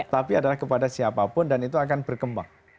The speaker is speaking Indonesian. tapi adalah kepada siapapun dan itu akan berkembang